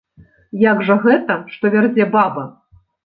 Як жа гэта, што вярзе баба?